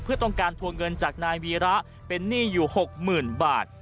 เพื่อต้องการทวงเงินจากนายวีระเป็นหนี้อยู่๖๐๐๐บาท